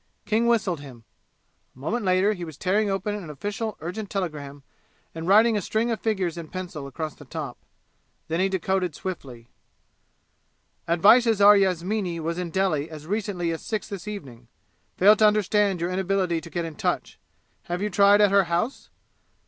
King whistled him. A moment later he was tearing open an official urgent telegram and writing a string of figures in pencil across the top. Then he decoded swiftly, "Advices are Yasmini was in Delhi as recently as six this evening. Fail to understand your inability to get in touch. Have you tried at her house?